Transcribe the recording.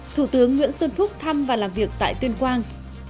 thủ tướng nguyễn xuân phúc thăm và làm việc tại tuyên quang